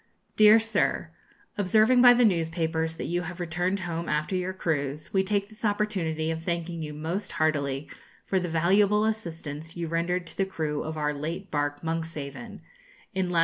'DEAR SIR, Observing by the newspapers that you have returned home after your cruise, we take this opportunity of thanking you most heartily for the valuable assistance you rendered to the crew of our late barque "Monkshaven," in lat.